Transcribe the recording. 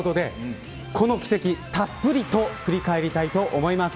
この奇跡、たっぷりと振り返りたいと思います。